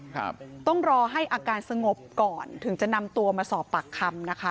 ครับต้องรอให้อาการสงบก่อนถึงจะนำตัวมาสอบปากคำนะคะ